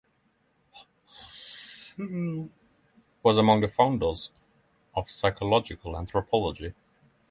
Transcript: Hsu was among the founders of psychological anthropology.